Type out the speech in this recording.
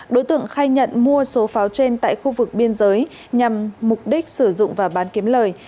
đối tượng khai nhận mua số pháo trên tại khu vực biên giới nhằm mục đích sử dụng và bán kiếm lời